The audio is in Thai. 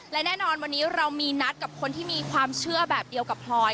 และแน่นอนวันนี้เรามีนัดกับคนที่มีความเชื่อแบบเดียวกับพลอย